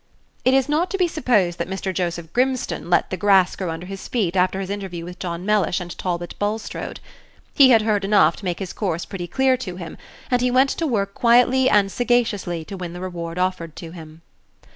It is not to be supposed that Mr. Joseph Grimstone let the grass grow under his feet after his interview with John Mellish and Talbot Bulstrode. He had heard enough to make his course pretty clear to him, and he went to work quietly and sagaciously to win the reward offered to him.